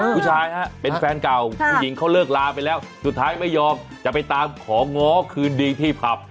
ผู้ชายฮะเป็นแฟนเก่าผู้หญิงเขาเลิกลาไปแล้วสุดท้ายไม่ยอมจะไปตามของ้อคืนดีที่ผับ